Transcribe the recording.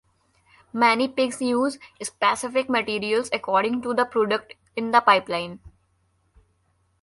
Many pigs use specific materials according to the product in the pipeline.